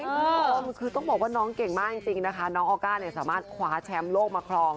คือต้องบอกว่าน้องเก่งมากจริงนะคะน้องออก้าเนี่ยสามารถคว้าแชมป์โลกมาครอง